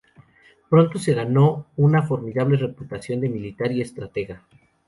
Pronto se ganó una formidable reputación de militar y estratega.